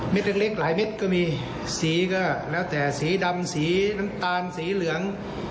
เล็กหลายเม็ดก็มีสีก็แล้วแต่สีดำสีน้ำตาลสีเหลือง